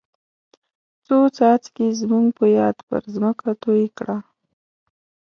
څو څاڅکي زموږ په یاد پر ځمکه توی کړه.